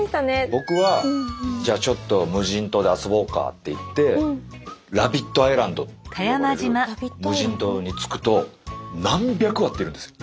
僕はじゃあちょっと無人島で遊ぼうかっていってラビットアイランドって呼ばれる無人島に着くと何百羽っているんですよ。